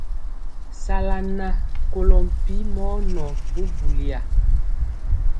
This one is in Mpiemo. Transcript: Sala nan kolo mpi mɔ nɔɔ bubuliya.